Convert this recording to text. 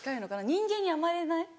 人間に甘えれない。